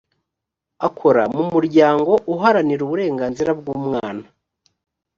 akora mumuryango uharanira uburenganzira bwumwana .